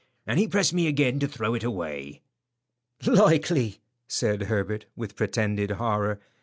And he pressed me again to throw it away." "Likely," said Herbert, with pretended horror.